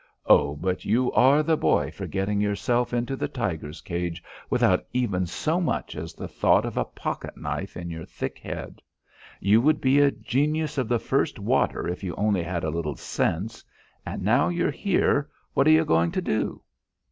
"Oh, but you are the boy for gettin' yourself into the tiger's cage without even so much as the thought of a pocket knife in your thick head. You would be a genius of the first water if you only had a little sense. And now you're here, what are you going to do?"